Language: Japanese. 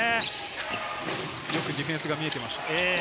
よくディフェンスが見えてます。